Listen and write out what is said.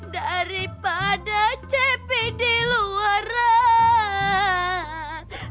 daripada cepi di luaran